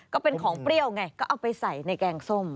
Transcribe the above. ก็เป็นของเปรี้ยวไงก็เอาไปใส่ในแกงส้ม